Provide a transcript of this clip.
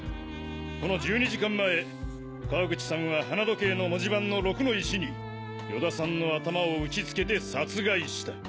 この１２時間前川口さんは花時計の文字盤の「６」の石に与田さんの頭を打ちつけて殺害した。